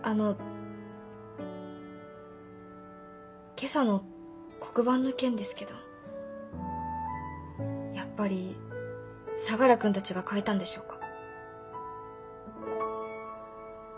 今朝の黒板の件ですけどやっぱり相楽君たちが書いたんでしょうか？